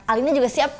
alina juga siap kok